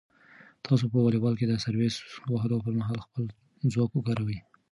تاسو په واليبال کې د سرویس وهلو پر مهال خپل ځواک وکاروئ.